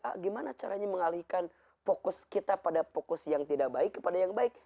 ah gimana caranya mengalihkan fokus kita pada fokus yang tidak baik kepada yang baik